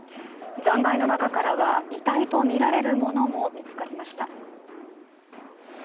残骸の中からは、遺体とみられるものも見つかりました。